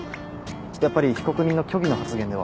やっぱり被告人の虚偽の発言では。